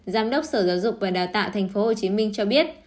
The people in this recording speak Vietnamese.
giám đốc sở giáo dục và đào tạo tp hcm cho biết